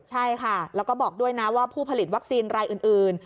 ใช่ค่ะแล้วก็บอกด้วยนะว่าผู้ผลิตวัคซีนรายอื่น